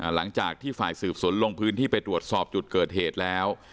หลังจากที่ฝ่ายสืบสวนลงพื้นที่ไปตรวจสอบจุดเกิดเหตุแล้ว